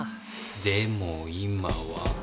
でも今は。